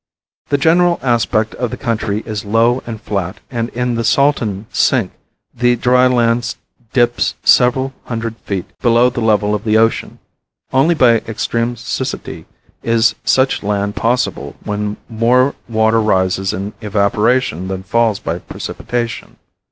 The general aspect of the country is low and flat and in the Salton sink the dry land dips several hundred feet below the level of the ocean. Only by extreme siccity is such land possible when more water rises in evaporation than falls by precipitation.